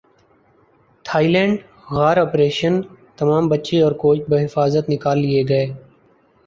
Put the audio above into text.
Thai land غار operation تمام بچے اور کوچ بحفاظت نکال لئے گئے